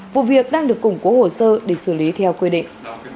vụ việc đang được củng cố hồ sơ để xử lý theo quy định